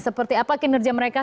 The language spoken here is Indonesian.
seperti apa kinerja mereka